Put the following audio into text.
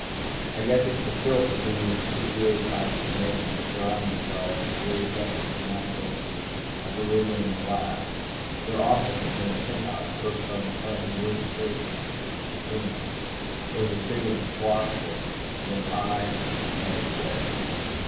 I guess it's the filth within these croupier types that makes them surround themselves with the aseptic immaculacy of iridium and glass. Their office was in a penthouse perched on the slanting roof shakes of the casino. It was big as a squash court, and as high and as square.